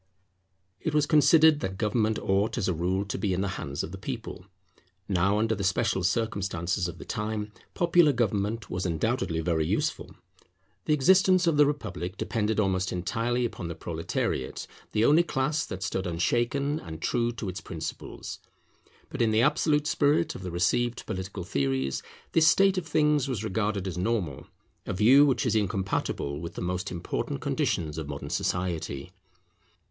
It was considered that government ought as a rule to be in the hands of the people. Now under the special circumstances of the time popular government was undoubtedly very useful. The existence of the republic depended almost entirely upon the proletariate, the only class that stood unshaken and true to its principles. But in the absolute spirit of the received political theories, this state of things was regarded as normal, a view which is incompatible with the most important conditions of modern society.